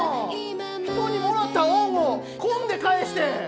人にもらった「恩」を「婚」で返して！